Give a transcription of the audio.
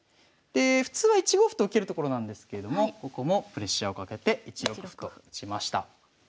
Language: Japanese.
で普通は１五歩と受けるところなんですけれどもここもプレッシャーをかけて１六歩と打ちました。